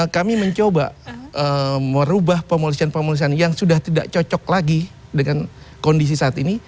kami mencoba merubah pemolisian pemolisian yang sudah tidak cocok lagi dengan kondisi saat ini